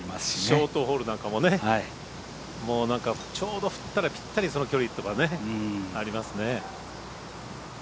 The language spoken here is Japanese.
ショートホールなんかもちょうど振ったら、ぴったりその距離とかね、ありますね。